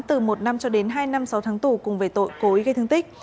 từ một năm cho đến hai năm sáu tháng tù cùng về tội cố ý gây thương tích